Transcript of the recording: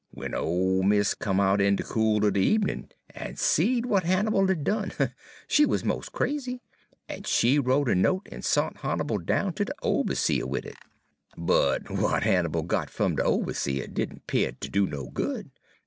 Wen ole mis' come out in de cool er de ebenin', en seed w'at Hannibal had done, she wuz mos' crazy, en she wrote a note en sont Hannibal down ter de oberseah wid it. "But w'at Hannibal got fum de oberseah did n' 'pear ter do no good.